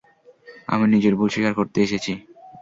আমি নিজের ভুল স্বীকার করতে এসেছি।